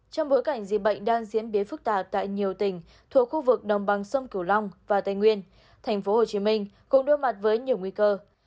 trong bối cảnh dịch bệnh đang diễn biến phức tạp tại nhiều tỉnh thuộc khu vực đồng bằng sông cửu long và tây nguyên tp hcm cũng đối mặt với nhiều nguy cơ